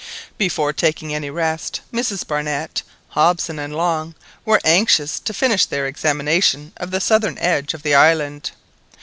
Before taking any rest, Mrs Barnett, Hobson, and Long, were anxious to finish their examination of the southern edge of the island.